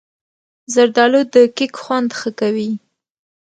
زردالو د کیک خوند ښه کوي.